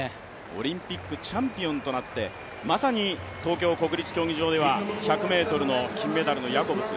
オリンピックチャンピオンとなって、東京国立競技場では１００ｍの金メダルのヤコブス